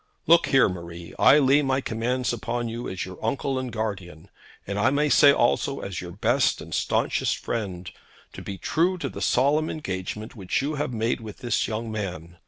Look here, Marie. I lay my commands upon you as your uncle and guardian, and I may say also as your best and staunchest friend, to be true to the solemn engagement which you have made with this young man.